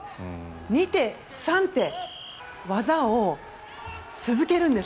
２手、３手技を続けるんです。